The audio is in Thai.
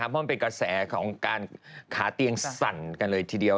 เพราะมันเป็นกระแสของการขาเตียงสั่นกันเลยทีเดียว